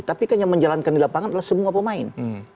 tapi kan yang menjalankan di lapangan adalah semua pemain